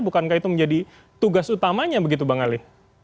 bukankah itu menjadi tugas utamanya begitu bang ali